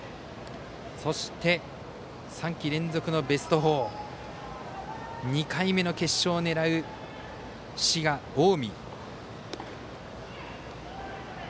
そして、３季連続のベスト４２回目の決勝を狙う滋賀・近江。